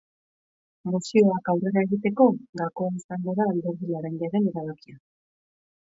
Mozioak aurrera egiteko, gakoa izango da alderdi laranjaren erabakia.